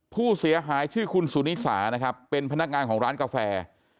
ผู้เสียหายชื่อคุณสุนิสานะครับเป็นพนักงานของร้านกาแฟ